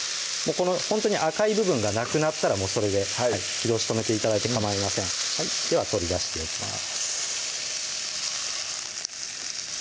ほんとに赤い部分がなくなったらそれで火通し止めて頂いてかまいませんでは取り出していきます